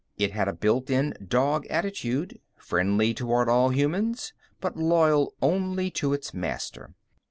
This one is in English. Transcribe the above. It had a built in dog attitude friendly toward all humans, but loyal only to its master.